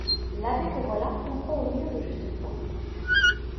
L'abbé que voilà comprend au mieux le juste point.